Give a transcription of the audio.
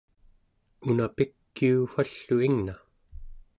una pikiu wall'u ingna